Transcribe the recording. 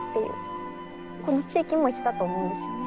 この地域も一緒だと思うんですよね。